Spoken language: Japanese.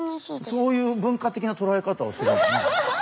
そういう文化的なとらえ方をするんだね。